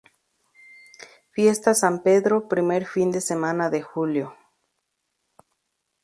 Fiestas San Pedro, primer fin de semana de Julio.